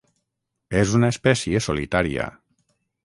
És una espècie solitària.